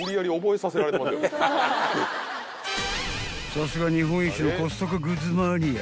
［さすが日本一のコストコグッズマニア］